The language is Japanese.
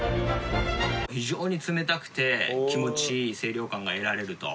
非常に冷たくて気持ちいい清涼感が得られると。